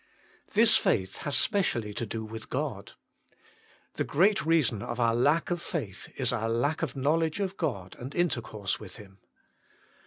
This faith has specially to do with God. The great reason of our lack of faith is our lack of knowledge of God and intercourse with Him.